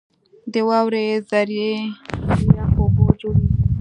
• د واورې ذرې له یخو اوبو جوړېږي.